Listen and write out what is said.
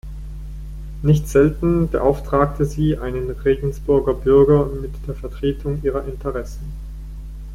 Nicht selten beauftragten sie einen Regensburger Bürger mit der Vertretung ihrer Interessen.